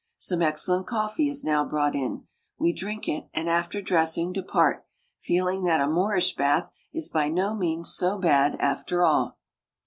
Some excellent coffee is now brought in. We drink it and, after dressing, depart, feeling that a Moorish bath is by no means so bad after all.